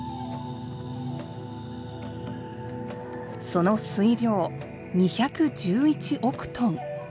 その水量、２１１億トン。